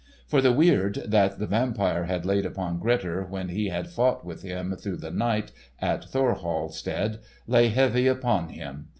For the weird that the Vampire had laid upon Grettir, when he had fought with him through the night at Thorhall stead, lay heavy upon him.